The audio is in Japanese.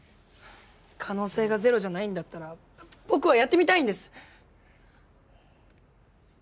可能性がゼロじゃないんだったら僕はやってみたいんです！